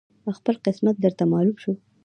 خپل قسمت درته معلوم شو